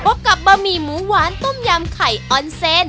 พบกับบะหมี่หมูหวานต้มยำไข่ออนเซน